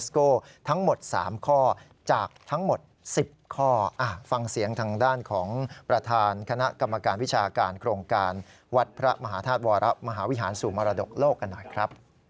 การโครงการวัดพระมหาธาตุวรทมหาวิหารสภ์มรดกโลกน่ะ